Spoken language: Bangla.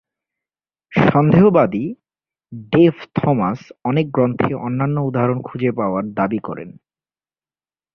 সন্দেহবাদী ডেভ থমাস অনেক গ্রন্থে অন্যান্য উদাহরণ খুঁজে পাওয়ার দাবি করেন।